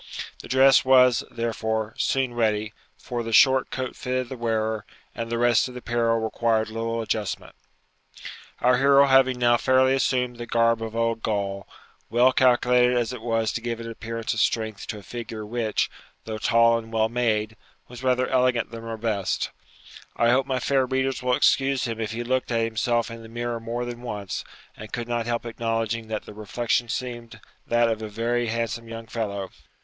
The dress was, therefore, soon ready, for the short coat fitted the wearer, and the rest of the apparel required little adjustment. Our hero having now fairly assumed the 'garb of old Gaul,' well calculated as it was to give an appearance of strength to a figure which, though tall and well made, was rather elegant than robust, I hope my fair readers will excuse him if he looked at himself in the mirror more than once, and could not help acknowledging that the reflection seemed that of a very handsome young fellow.